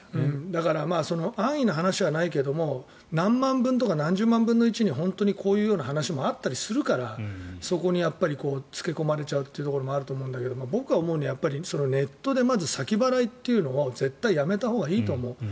だから安易な話はないけども何万分とか何十万分の１で本当にこういう話もあったりするからそこに付け込まれちゃうというところもあると思うんだけど、僕が思うにネットでまず先払いというのを絶対やめたほうがいいと思う。